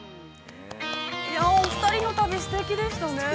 ◆お二人の旅、すてきでしたね。